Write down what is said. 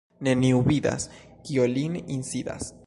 Neniu vidas, kio lin insidas.